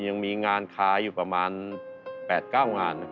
ยังมีงานค้าอยู่ประมาณ๘๙งาน